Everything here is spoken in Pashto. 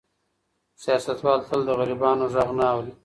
سیاستوال تل د غریبانو غږ نه اوري.